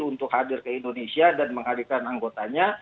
untuk hadir ke indonesia dan menghadirkan anggotanya